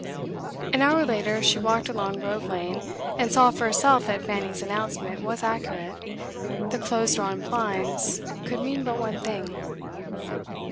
An hour later, she walked along Grove Lane, and saw for herself that Fanny's announcement was accurate; the close drawn blinds could mean but one thing.